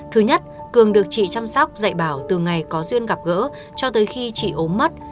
thứ nhất cường được chị chăm sóc dạy bảo từ ngày có duyên gặp gỡ cho tới khi chị ốm mất